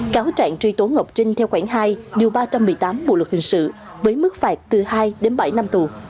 cáo trạng truy tố ngọc trinh theo khoảng hai điều ba trăm một mươi tám bộ luật hình sự với mức phạt từ hai đến bảy năm tù